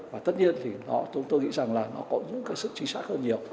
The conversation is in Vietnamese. và tất nhiên thì nó chúng tôi nghĩ rằng là nó có những cái sức chính xác hơn nhiều